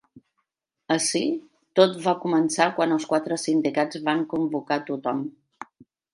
Ací, tot va començar quan els quatre sindicats van convocar tothom.